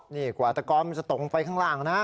นี่กว่าตะกอนมันจะตกลงไปข้างล่างนะ